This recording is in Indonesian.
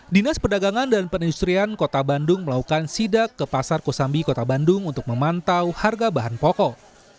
dinas perdagangan dan penindustrian kota bandung melakukan sidak ke pasar kosambi kota bandung untuk memantau harga bahan pokok